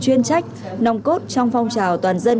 chuyên trách nòng cốt trong phong trào toàn dân